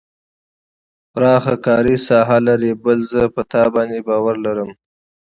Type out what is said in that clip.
پراخه کاري ساحه لري بل زه په تا باندې باور لرم.